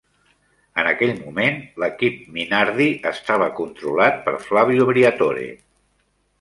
En aquell moment, l'equip Minardi estava controlat per Flavio Briatore.